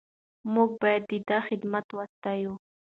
موږ باید د ده خدمتونه وستایو.